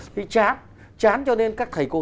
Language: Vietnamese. thì chán chán cho nên các thầy cô